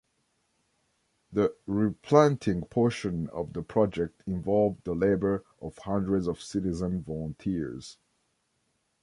The replanting portion of the project involved the labor of hundreds of citizen volunteers.